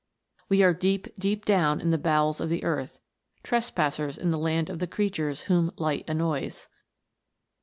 We are deep, deep down in the bowels of the THE GNOMES. 257 earth, trespassers in the land of the creatures whom " light annoys."